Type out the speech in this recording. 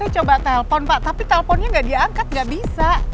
tadi saya coba telpon pak tapi telponnya gak diangkat gak bisa